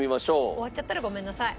終わっちゃったらごめんなさい。